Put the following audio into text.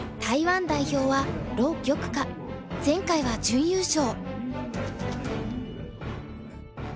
前回は準優勝。